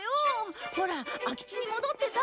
ほら空き地に戻ってさ。